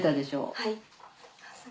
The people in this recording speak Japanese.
はい。